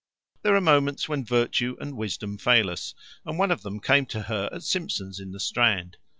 There are moments when virtue and wisdom fail us, and one of them came to her at Simpson's in the Strand.